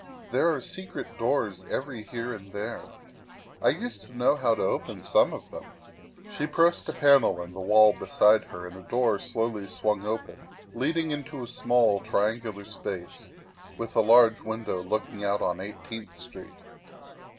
There are secret doors every here and there. I used to know how to open some of them. '' She pressed a panel in the wall beside her and a door slowly swung open, leading into a small, triangular space, with a large window looking out on Eighteenth Street.